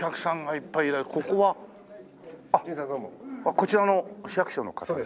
こちらの市役所の方で？